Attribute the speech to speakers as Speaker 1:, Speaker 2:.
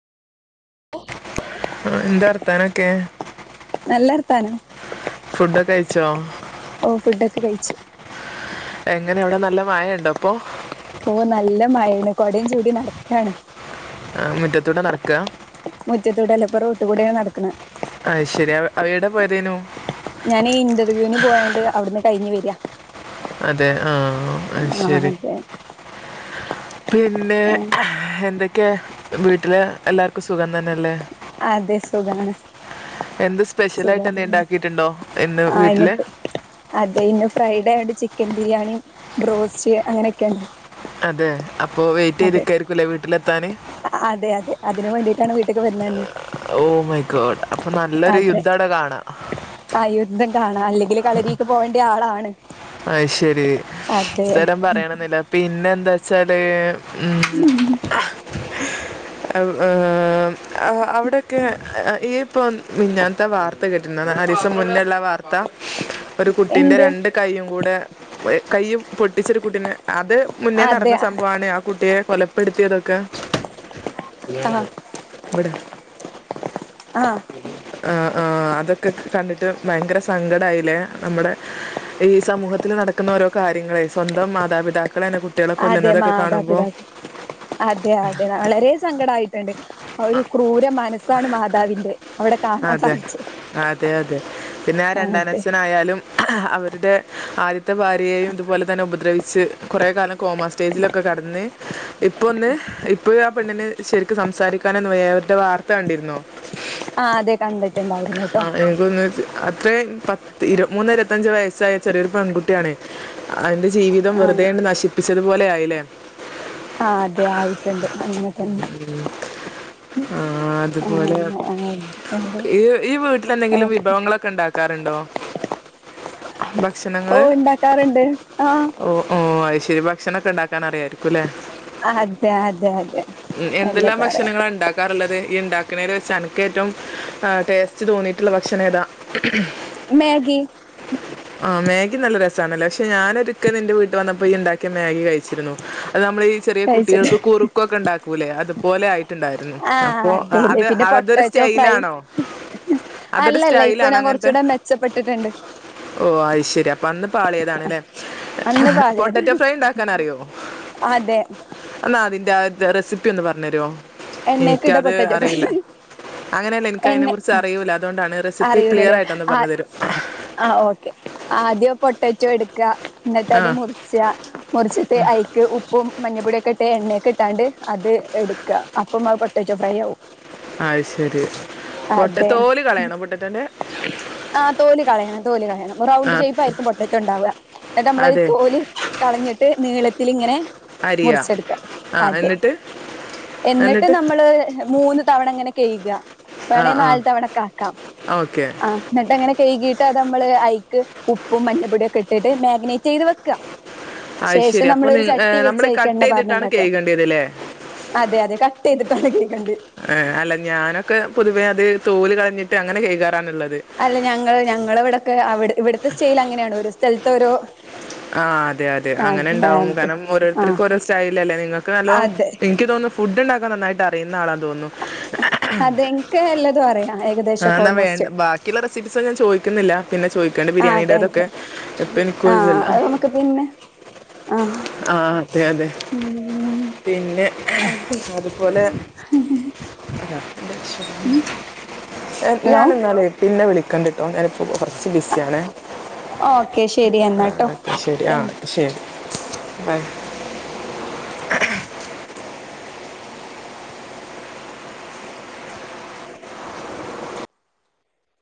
Speaker 1: എന്താ അർഥാനൊക്കെ
Speaker 2: നല്ല വർത്താനം
Speaker 1: ഫുഡൊക്കെ അഴ ച്ച [unintelligible]
Speaker 2: ഓ ഫുഡൊക്കെ കഴിച്ചു
Speaker 1: എങ്ങനെ അവിടെ നല്ല മായ ഉണ്ടോ അപ്പൊ
Speaker 2: ഓ നല്ല മഴണ് കൊടയും ചൂടി നടക്കാണ്
Speaker 1: മുറ്റത്തോടെ നടക്കുക
Speaker 2: മുറ്റത്തൂട് അല്ലപ്പുറ റോട്ട കൂടിയാണ് നടക്കുന്നത്
Speaker 1: അ ശരി അവടെ പോയതേനു
Speaker 2: ഞാൻ ഈ ഇന്റർവ്യൂവിന് പോയണ്ട് അവിടുന്ന് കഴിഞ്ഞഞ് വരിയാ
Speaker 1: അതെ ആഹ
Speaker 2: ആഹ അതെ
Speaker 1: പിന്നെ എന്തൊക്കെയെ വീട്ടിൽ എല്ലാവർക്കും സുഖം തന്നെയല്ലേ
Speaker 2: അതെ സുഖാണ്
Speaker 1: എന്ത്
Speaker 2: സുഖ
Speaker 1: സ്പെഷ്യലായിട്ട് എന്തെങ്കിലും ഉണ്ടാക്കിയിട്ടുണ്ടോ ഇന്ന്
Speaker 2: ആ
Speaker 1: വീട്ടില്
Speaker 2: അതെ ഇന്ന ഫ്രൈഡേ അ ചിക്കൻ ബിരിയാണി ബറോസ്റ്റ് അങ്ങനെയൊക്കെയണ്ട്
Speaker 1: അതെ അപ്പൊ വെയിറ്റ് ചെയ്തക്കായിരിക്കുംല്ലേ വീട്ടിലെത്താാന്
Speaker 2: ക്ക വന്നന്ന്
Speaker 1: ഓ മൈക്കട്
Speaker 2: അതെ ആ യുദ്ധം കാണല്ലേ കളലേക്ക് പോകേണ്ട ആളാണ് ആണ്
Speaker 1: അ ശരി സ്ഥലം പറയണെന്നില്ല പിന്നെ എന്താ ശരി ഉ അവിടെ ക്കെ യീപ്പോ മിഞ്ഞാന്നത്തെ ആ വാർത്ത കേട്ടീര്ന്നൊ. നാലീസം മുന്നള്ള ആ വാർത്ത. ഒരു കുട്ടിന്റെ
Speaker 2: എന്ത്
Speaker 1: രണ്ട് കയ്യും കൂടെ ഏ കയ്യ് പൊട്ടിച്ചൊരു കുട്ടിനെ. അത് മുന്നേ
Speaker 2: അതെ
Speaker 1: നടന്ന സംഭവാണ് ആ കുട്ടിയെ കൊലപ്പെടുത്തിയതൊ ക്കാ
Speaker 2: ആ
Speaker 1: വട
Speaker 2: ആ
Speaker 1: ആഹ് അതൊക്കെ കണ്ടിട്ട് ഭയങ്കര സങ്കടായിലെ. നമ്മടെ ഈ സമൂഹത്തിൽ നടക്ക്ന്ന ഓരോ കാര്യങ്ങളെ. സ്വന്തം മാതാപിതാക്കളേണ് കു
Speaker 2: അതെ മാതാപിതാക് ഴഅതെ അതെ വളരേ സങ്കടായി രണ്ട് ഒരു ക്രൂര മനസ്സാണ് മാതാവിന്റെ അവിടെ കാണാൻ
Speaker 1: അതെ
Speaker 2: സാധിച്ചത്
Speaker 1: അതേ അതെ പിന്നെ ആ
Speaker 2: അതെ
Speaker 1: രണ്ടാനച്ഛനായാലും അവര്ടെ ആദ്യത്തെ ഭാര്യയേയും ഇതുപോലെ തന്നെ ഉപദ്രവിച്ച്. കുറേ കാലം കോമാ സ്റ്റേജിലൊക്കെ കടന്ന്. ഇപ്പൊ ഒന്ന് ഇപ്പൊയും ആ പെണ്ണിന് ശരിക്ക് സംസാരിക്കാനൊന്നു വേ അവര്ടെ വാർത്ത കണ്ടിരുന്നൊ
Speaker 2: ആഹ് അതെ കണ്ടിട്ടുണ്ടായിരുന്നു ട്ടോ
Speaker 1: ആഹ് എൻകൊന്ന് അത്രേ പ തിരു മൂന്നൊ ഇരുപത്തഞ്ചോ വയസ്സായ ചെറിയൊരു പെൺകുട്ടിയാണ്. അതിന്റെ ജീവിതം വെറുതേണ്ട് നശിപ്പിച്ചതുപോലെ ആയില്ലേ
Speaker 2: ആഹ് അതെ ആയിട്ട്ണ്ട് അങ്ങൻ തന്നെ
Speaker 1: ആ,
Speaker 2: ആഹ് ന
Speaker 1: ഇയ്യ് ഈ വീട്ടിലെന്തെങ്കിലും വിഭവങ്ങളൊക്കെ ഇണ്ടാ ക്കാറ്ണ്ടോ
Speaker 2: ഓഹ് ഇണ്ടാക്കാറ്ണ്ട് ആഹ്
Speaker 1: ഓ ഓ അത് ശരി ഭക്ഷണ ഒക്കെ ഉണ്ടാക്കാൻ അറിയായിരിക്കുംല്ലേ
Speaker 2: ആ ഹദേ ഹദേ ഹദേ
Speaker 1: ഉം എന്തെല്ലാം
Speaker 2: എല്ലൊക്കെ അറിയാം
Speaker 1: ഭക്ഷണങ്ങളാ ഉണ്ടാക്കാറുള്ളത് ഈ ഇണ്ടാക്ക്ണേല് വെച്ച് അനക്ക് ഏറ്റവും ആ ടേസ്റ്റ് തോന്നിയിട്ട്ള്ള ഭക്ഷണേതാ
Speaker 2: മേഗി
Speaker 1: ആ മാഗി നല്ല രസാണല്ലേ. പക്ഷെ ഞാനൊരുക്ക നിന്റെ വീട്ടി വന്നപ്പോ ഇയ്യ് ഇണ്ടാക്കിയ മാഗി കഴിച്ചിരുന്നു. അത് നമ്മളെ ഈ ചെറിയ
Speaker 2: കഴിച്ചിട്ട്
Speaker 1: കുട്ടികൾക്ക് കുറുക്കൊക്കെ ഇണ്ടാക്കൂല്ലേ അത് പോലെ ആയി ട്ട്ണ്ടായിരുന്നു
Speaker 2: ആ
Speaker 1: അപ്പോ ആ
Speaker 2: അതെല്ലേ
Speaker 1: അത്
Speaker 2: പിന്നെ
Speaker 1: അവര്ടൊരു
Speaker 2: പൊട്ടാറ്റോ ഫ്രൈസ്
Speaker 1: സ്റ്റൈലാണോ അതൊരു
Speaker 2: അല്ലല്ല ഇപ്പൊ
Speaker 1: സ്റ്റൈലാണൊ
Speaker 2: ഞാൻ
Speaker 1: അങ്ങൻത്തെ
Speaker 2: കുറച്ചൂടെ മെച്ചപ്പെട്ടിട്ടുണ്ട്
Speaker 1: ഓ അത് ശരി അപ്പൊ അന്ന് പാളിയതാണ്ലെ.
Speaker 2: അന്ന്
Speaker 1: പൊട്ടാറ്റോ
Speaker 2: പാളിയതാണ്
Speaker 1: ഫ്രൈ ഇണ്ടാക്കാനറിയോ?
Speaker 2: അതെ
Speaker 1: അതിന്റെ ആ ത് റെസിപ്പി ഒന്ന് പറഞ്ഞെരോ
Speaker 2: എണ്ണേക്കിട്ട
Speaker 1: എനിക്കത് അറിയില്ല. അങ്ങനെയല്ല ഇൻ
Speaker 2: എണ്ണെ
Speaker 1: ക്ലിയർ
Speaker 2: അറിയൂലലെ.
Speaker 1: ആയിട്ടൊന്ന് പറഞ്ഞു
Speaker 2: ആഹ്
Speaker 1: തരും
Speaker 2: ആഹ് ഓക്കെ. ആദ്യം പൊ ട്ടചു എടുക്ക എന്നിട്ട്
Speaker 1: ആ
Speaker 2: അത് മുറിച്ചാ മുറിച്ചിട്ട് ഐക്ക് ഉപ്പും മഞ്ഞ പൊടിയൊക്കെ ഇ മറ്റേ എണ്ണയൊക്കെ ഇട്ടോണ്ട് അത് എടുക്കുക അപ്പം അത് പൊട്ടറ്റോഫ്രൈയാവും
Speaker 1: അത് ശരി പൊട്ട
Speaker 2: അതെ
Speaker 1: തോല് കളയണം പൊട്ടറ്റൻ്റെ
Speaker 2: ആ തോല്കളയണം തോല് കളയണം
Speaker 1: ആ
Speaker 2: റൗണ്ട് ഷേപ്പ് ആയിരിക്കും പൊട്ടറ്റോ ഉണ്ടാവുക എന്നിട്ട് നമ്മള്
Speaker 1: അതെ
Speaker 2: തോല് കളഞ്ഞിട്ട് നീളത്തി ഇതിലിങ്ങനെ
Speaker 1: അരിയാ ആ എന്നിട്ട്
Speaker 2: എന്നിട്ട് നമ്മള് മൂന്ന് തവണ അങ്ങനെ കഴിക
Speaker 1: ആ
Speaker 2: വേണേ
Speaker 1: ആ
Speaker 2: നാല് തവണ കാക്കാം
Speaker 1: ഓക്കെ
Speaker 2: ആ എന്നിട്ടങ്ങനെ കഴകിട്ട് അത് നമ്മള് ഐക്ക് ഉപ്പും മഞ്ഞപ്പൊടിയും ഒക്കെ ഇട്ടിട്ട് മാഗിനേറ്റ് ചെയ്ത് വെക്ക്ക
Speaker 1: അത് ശെരി അപ്പൊ നി നമ്മള്
Speaker 2: അയിക്ക്
Speaker 1: കട്ട്
Speaker 2: എണ്ണ
Speaker 1: ചെയ്തിട്ടാണ്
Speaker 2: പാർന്നുണ്ടാക്ക
Speaker 1: കഴുകേണ്ടിയത് അല്ലെ
Speaker 2: അതെ [unintelligible]
Speaker 1: ആ അല്ല ഞാനൊക്കെ പൊതുവേ അത് തോല് കള
Speaker 2: അല്ല ഞങ്ങള് ഞങ്ങള് ഇവിടെക്കെ ഇവിടത്തെ സ്റ്റേൽ അങ്ങനെയാണ് ഒരു സ്ഥല ത്തൊരു
Speaker 1: ആ അതെ അതെ അങ്ങനെ ഉണ്ടാവും കാരണം
Speaker 2: ആഹ്
Speaker 1: ഓരോരുത്തർക്കും ഓരോ സ്റ്റൈല് അല്ലേ നിങ്ങൾക്ക് നല്ലോ
Speaker 2: അതെ
Speaker 1: എനിക്ക് തോന്നുന്നു ഫുഡ് ഒണ്ടാ നന്നായിട്ട് അറിയുന്ന ആളാന്ന് തോന്നും
Speaker 2: അതെനിക്ക് എല്ലതും അറിയാം
Speaker 1: ആ
Speaker 2: ഏകദേശൊക്കെ
Speaker 1: എന്നാ
Speaker 2: ഓൾമോസ്റ്റ്
Speaker 1: വേണ്ട ബാക്കിയുള്ള റെസിപ്പീസ ഞാൻ ചോദി നിക്കുന്നില്ല പിന്നെ ചോദിക്കാണ്ട്
Speaker 2: ആഹ് താങ്ക്
Speaker 1: ബിരിയാണിയുടെതെക്കെ
Speaker 2: യു
Speaker 1: ഇപ്പം എനിക്ക്
Speaker 2: ആഹ്
Speaker 1: ഒഴിവില്ല
Speaker 2: അത് നമുക്ക് പിന്നെ ആഹ്
Speaker 1: ആ അതെ അതെ
Speaker 2: ഉം
Speaker 1: പിന്നെ
Speaker 2: അതെ
Speaker 1: അതുപോലെ
Speaker 2: ഹലോ
Speaker 1: ഞാൻഎന്നാലെ പി എന്നെ വിളിക്കാണ്ടട്ടോ ഞാന്
Speaker 2: ഓക്കെ ശരി
Speaker 1: ആഹ്
Speaker 2: എന്നാട്ടോ
Speaker 1: ശരി ആ
Speaker 2: താങ്ക് യു.
Speaker 1: ശരി ഹായി